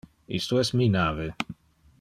Isto es mi nave.